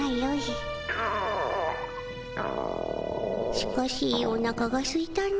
しかしおなかがすいたの。